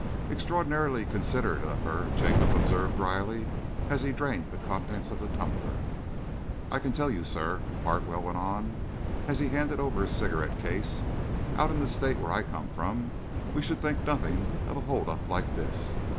"Extraordinarily considerate of her," Jacob observed drily, as he drained the contents of the tumbler. "I can tell you, sir," Hartwell went on, as he handed over his cigarette case, "out in the State where I come from, we should think nothing of a hold up like this.